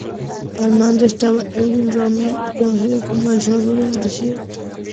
Al mando estaba Erwin Rommel, conocido como "el zorro del desierto".